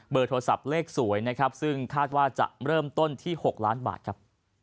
โทรศัพท์เลขสวยนะครับซึ่งคาดว่าจะเริ่มต้นที่๖ล้านบาทครับ